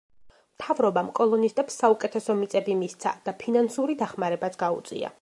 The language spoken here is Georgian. მთავრობამ კოლონისტებს საუკეთესო მიწები მისცა და ფინანსური დახმარებაც გაუწია.